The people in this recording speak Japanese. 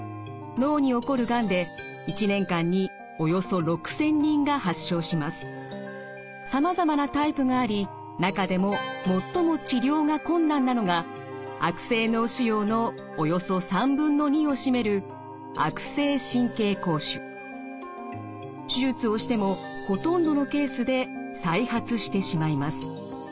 脳に起こるがんでさまざまなタイプがあり中でも最も治療が困難なのが悪性脳腫瘍のおよそ３分の２を占める手術をしてもほとんどのケースで再発してしまいます。